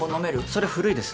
それ古いです